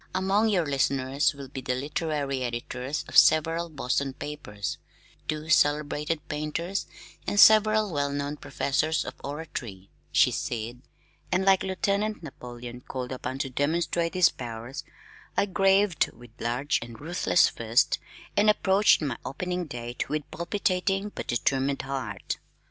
"Among your listeners will be the literary editors of several Boston papers, two celebrated painters, and several well known professors of oratory," she said, and like Lieutenant Napoleon called upon to demonstrate his powers, I graved with large and ruthless fist, and approached my opening date with palpitating but determined heart.